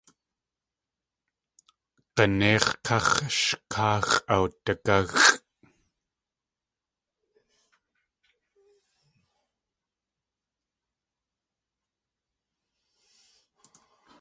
G̲aneix̲ káx̲ sh káa x̲ʼawdigáxʼ.